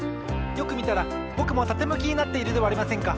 よくみたらぼくもたてむきになっているではありませんか！